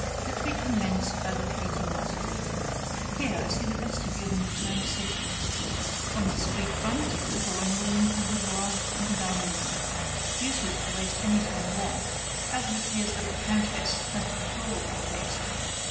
"Let me commence by locating myself. Here, I see the vestibule in which I am sitting. On the street front, the drawing room, the boudoir and dining room. Useless to waste any time there, as it appears that the countess has a deplorable taste....